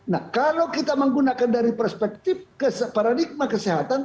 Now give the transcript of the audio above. nah kalau kita menggunakan dari perspektif ke paradigma kesehatan